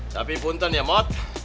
tapi punten ya mot